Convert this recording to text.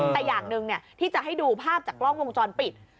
แต่อย่างหนึ่งที่จะให้ดูภาพจากกล้องวงจรปิด